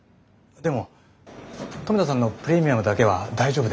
でも留田さんのプレミアムだけは大丈夫で。